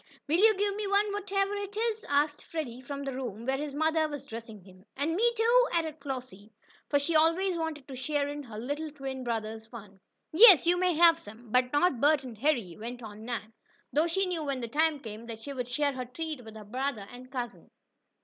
"Will you give me one whatever it is?" asked Freddie from the room where his mother was dressing him. "And me, too?" added Flossie, for she always wanted to share in her little twin brother's fun. "Yes, you may have some, but not Bert and Harry," went on Nan, though she knew when the time came, that she would share her treat with her brother and cousin.